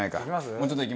もうちょっとはい。